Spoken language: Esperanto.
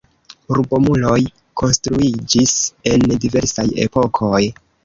Urbomuroj konstruiĝis en diversaj epokoj.